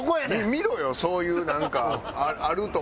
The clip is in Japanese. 見ろよそういうなんかあるとか。